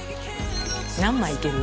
何枚いける？